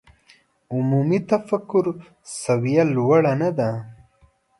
عمومي تفکر سویه لوړه نه ده.